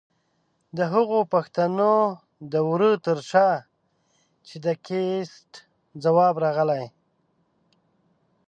د هغو پښتنو د وره تر شا چې د کېست ځواب راغلی؛